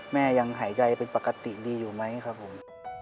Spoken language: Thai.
แม่ยังหายใจเป็นปกติดีอยู่ไหมครับผม